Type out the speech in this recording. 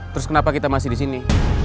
terus kenapa kita masih disini